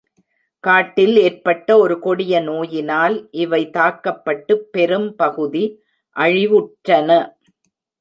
காட்டில் ஏற்பட்ட ஒரு கொடிய நோயினால் இவை தாக்கப்பட்டுப் பெரும் பகுதி அழிவுற்றன.